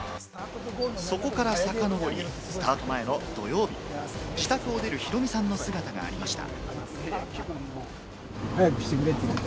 そこからさかのぼり、スタート前の土曜日、自宅を出るヒロミさんの姿がありました。